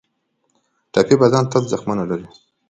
ټپي بدن تل زخمونه لري.